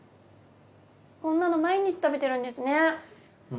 こんなの毎日食べてるんですね。